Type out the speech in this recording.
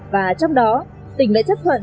và trong đó tỉnh lại chấp thuận